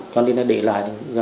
cho nên là để lại